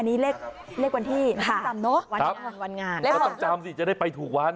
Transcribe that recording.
อันนี้เลขวันที่วันงานวันงานเลขวันงานเราต้องจำสิจะได้ไปถูกวัน